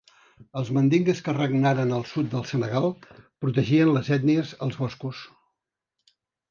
Els mandingues que regnaren al sud del Senegal protegien les ètnies els boscos.